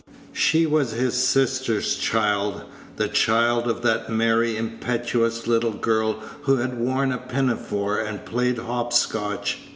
She was his sister's child the child of that merry, impetuous little girl who had worn a pinafore and played hop scotch.